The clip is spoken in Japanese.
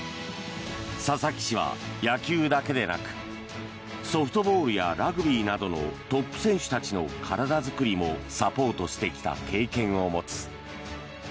佐々木氏は野球だけでなくソフトボールやラグビーなどのトップ選手たちの体作りもサポートしてきた経験を持つ。